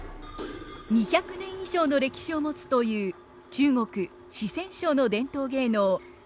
２００年以上の歴史を持つという中国・四川省の伝統芸能「川劇」の秘伝の技です。